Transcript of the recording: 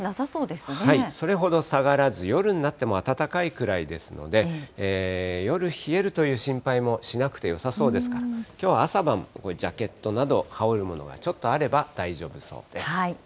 それほど下がらず、夜になっても暖かいくらいですので、夜冷えるという心配もしなくてよさそうですから、きょうは朝晩、ジャケットなど、羽織るものがちょっとあれば大丈夫そうです。